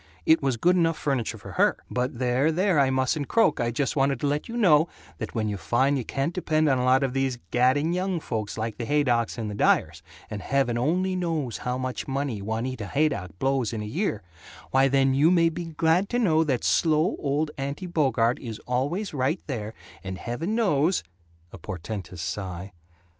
it was good enough furniture for her. But there, there, I mustn't croak, I just wanted to let you know that when you find you can't depend on a lot of these gadding young folks like the Haydocks and the Dyers and heaven only knows how much money Juanita Haydock blows in in a year why then you may be glad to know that slow old Aunty Bogart is always right there, and heaven knows " A portentous sigh.